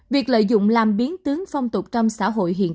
việc lợi dụng làm biến tướng phong tục trong xã hội hiện nay